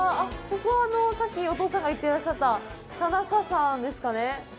ここ、さっきお父さんが言ってらっしゃった田中さんですかね。